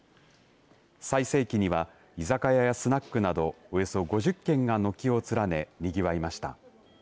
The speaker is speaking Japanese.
最盛期には居酒屋やスナックなどおよそ５０軒が軒を連ねにぎわいました。